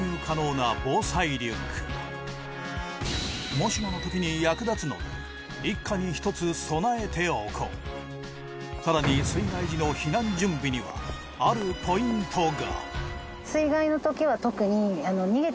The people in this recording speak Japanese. もしものときに役立つので一家に一つ備えておこう更に水害時の避難準備にはあるポイントが！